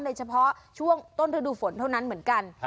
เฉพาะช่วงต้นฤดูฝนเท่านั้นเหมือนกัน